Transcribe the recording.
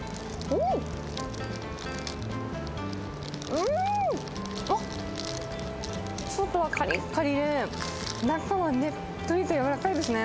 うん！あっ、外はかりっかりで、中はねっとりとやわらかいですね。